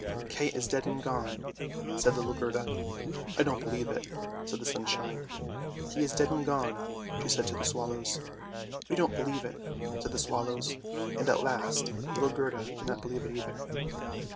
" Kay is dead and gone," said little Gerda. " I don't believe it," said the sunshine. " He is dead and gone," she said to the swallows. THE SNOW QUEEN 193 " We don't believe it," said the swallows, and at last little Gerda did not believe it either.